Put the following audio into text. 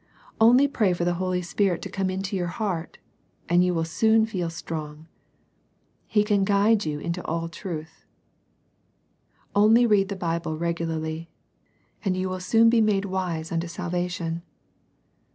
Only pray for the Holy Spirit to come into your heart, and you will soon feel strong. He can guide you into all truth. Only read the Bible regularly, and you will soon be made wise unto salvation.